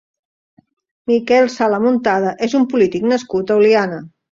Miquel Sala Muntada és un polític nascut a Oliana.